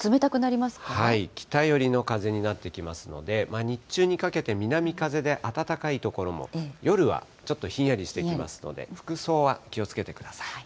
北寄りの風になってきますので、日中にかけて南風で暖かい所も、夜はちょっとひんやりしてきますので、服装は気をつけてください。